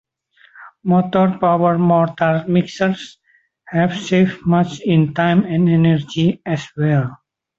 Motor powered mortar mixers have saved much in time and energy as well.